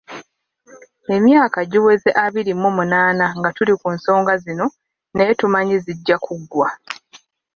Emyaka giweze abiri mu munaana nga tuli ku nsonga zino naye tumanyi zijja kuggwa